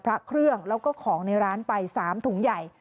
พระเครื่องแล้วก็ของในร้านไป๓ถุงใหญ่